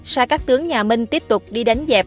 sa các tướng nhà minh tiếp tục đi đánh dẹp